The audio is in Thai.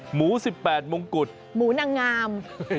หมู๑๘มงกุฎหมูนางงาม